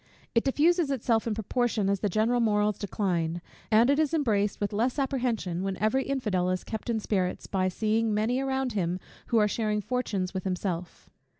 It diffuses itself in proportion as the general morals decline; and it is embraced with less apprehension, when every infidel is kept in spirits, by seeing many around him who are sharing fortunes with himself.